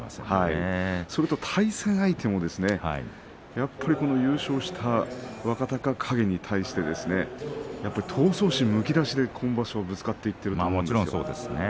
それと対戦相手もやっぱり優勝した若隆景に対して闘争心むき出しで今場所、ぶつかってきています。